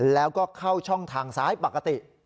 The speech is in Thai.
แล้วก็เข้าช่องทางซ้ายปกติ